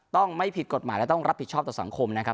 ต้องไม่ผิดกฎหมายและต้องรับผิดชอบต่อสังคมนะครับ